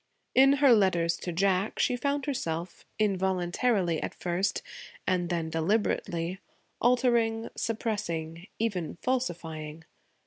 In her letters to Jack, she found herself, involuntarily at first, and then deliberately, altering, suppressing, even falsifying.